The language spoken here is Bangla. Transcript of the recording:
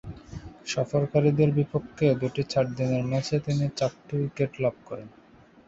সফরকারীদের বিপক্ষে দুটি চার দিনের ম্যাচে তিনি চারটি উইকেট লাভ করেন।